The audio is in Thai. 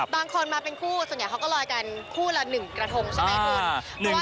บางคนมาเป็นคู่ส่วนใหญ่เขาก็ลอยกันคู่ละ๑กระทงใช่ไหมคุณ